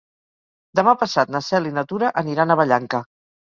Demà passat na Cel i na Tura aniran a Vallanca.